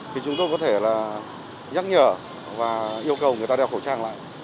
thì chúng tôi có thể là nhắc nhở và yêu cầu người ta đeo khẩu trang lại